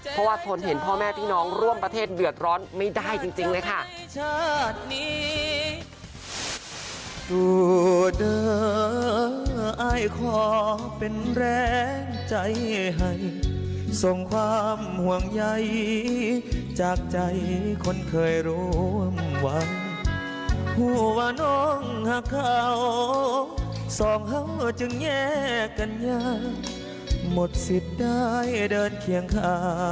เพราะว่าทนเห็นพ่อแม่พี่น้องร่วมประเทศเดือดร้อนไม่ได้จริงเลยค่ะ